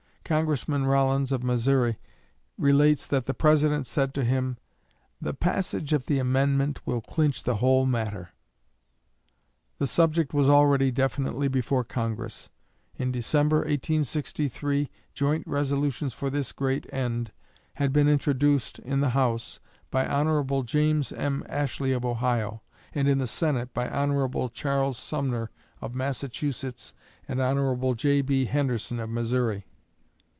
Congressman Rollins of Missouri relates that the President said to him, "The passage of the amendment will clinch the whole matter." The subject was already definitely before Congress. In December, 1863, joint resolutions for this great end had been introduced in the House by Hon. James M. Ashley of Ohio, and in the Senate by Hon. Charles Sumner of Massachusetts and Hon. J.B. Henderson of Missouri.